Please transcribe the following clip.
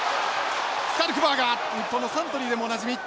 スカルクバーガー日本のサントリーでもおなじみ。